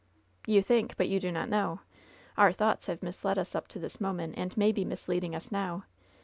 "You think, but you do not know. Our thoughts have misled us up to this moment, and may be misleading us now.